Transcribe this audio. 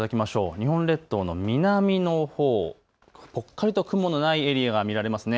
日本列島の南のほう、ぽっかりと雲のないエリアが見られますね。